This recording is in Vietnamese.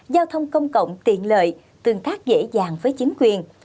giao thông công cộng tiện lợi tương tác dễ dàng với chính quyền